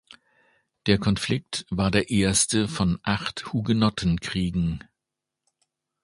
Der Konflikt war der erste von acht Hugenottenkriegen.